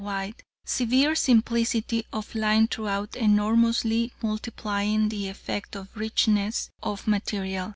wide, severe simplicity of line throughout enormously multiplying the effect of richness of material.